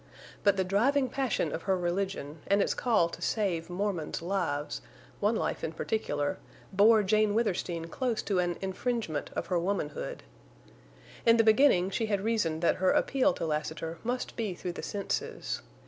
But the driving passion of her religion, and its call to save Mormons' lives, one life in particular, bore Jane Withersteen close to an infringement of her womanhood. In the beginning she had reasoned that her appeal to Lassiter must be through the senses.